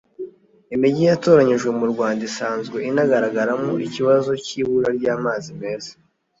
Imijyi yatoranyijwe mu Rwanda isanzwe inagaragamo ikibazo cy’ibura ry’amazi meza